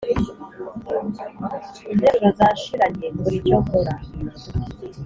interuro zanshiranye mbura icyo nkora